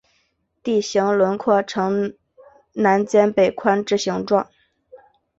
地形轮廓呈南尖北宽之形状。